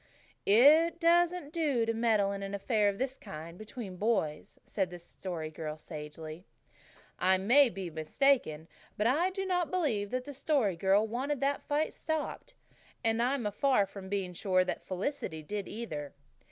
"It doesn't do to meddle in an affair of this kind between boys," said the Story Girl sagely. I may be mistaken, but I do not believe the Story Girl wanted that fight stopped. And I am far from being sure that Felicity did either.